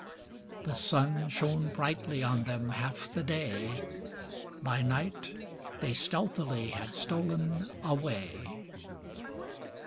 The sun shone brightly on them half the day, By night they stealthily had stol'n away.